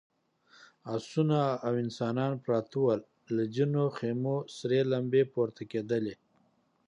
آسونه او انسانان پراته ول، له ځينو خيمو سرې لمبې پورته کېدلې….